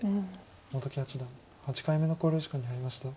本木八段８回目の考慮時間に入りました。